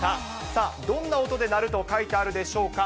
さあ、どんな音で鳴ると書いてあるでしょうか。